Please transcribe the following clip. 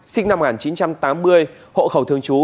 sinh năm một nghìn chín trăm tám mươi hộ khẩu thương chú